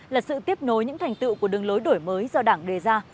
là sự tiếp nối những thành tựu của đường lối đổi mới do đảng đề ra